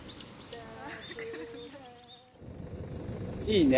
いいね。